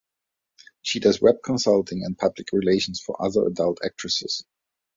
She does Web consulting and public relations for other adult actresses.